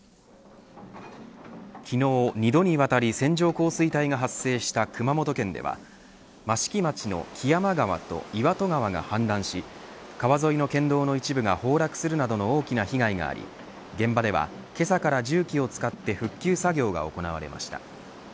昨日、２度にわたり線状降水帯が発生した熊本県では益城町の木山川と岩戸川が氾濫し川沿いの県道の一部が崩落するなどの大きな被害があり現場ではけさから重機を使って復旧作業が行われました。